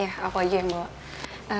iya aku aja yang bawa